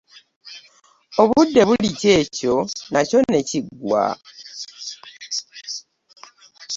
Obudde bulikya ekyo nakyo ne kiggwa.